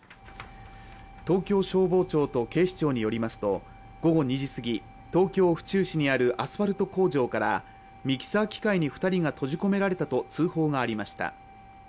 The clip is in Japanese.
東京消防庁と警視庁によりますと午後２時すぎ東京・府中市にあるアスファルト工場からミキサー機械に２人が閉じ込められたと通報がありました。